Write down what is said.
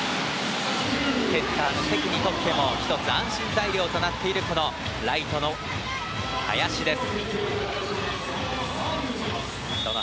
セッターの関にとっても１つ安心材料となっているライトの林です。